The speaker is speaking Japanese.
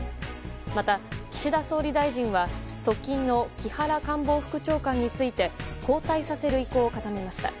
また、岸田総理大臣は側近の木原官房副長官について交代させる意向を固めました。